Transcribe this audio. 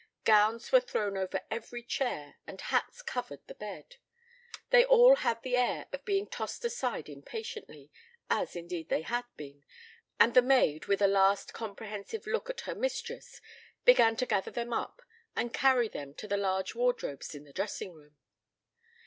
Gowns were thrown over every chair and hats covered the bed. They all had the air of being tossed aside impatiently, as indeed they had been, and the maid with a last comprehensive look at her mistress began to gather them up and carry them to the large wardrobes in the dressing room.